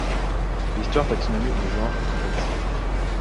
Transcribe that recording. L'histoire taxonomique du genre est complexe.